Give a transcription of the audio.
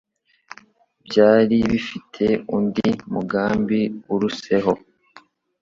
byari bifite undi mugambi uruseho.